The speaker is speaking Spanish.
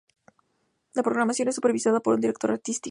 La programación es supervisada por un director artístico.